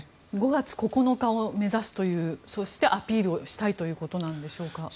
５月９日を目指しアピールしたいということなんでしょうか。